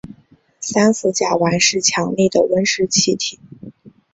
三氟甲烷是强力的温室气体。